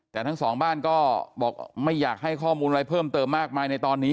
แต่ทั้งสองบ้านก็บอกไม่อยากให้ข้อมูลอะไรเพิ่มเติมมากมายในตอนนี้